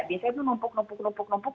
biasanya itu numpuk numpuk numpuk numpuk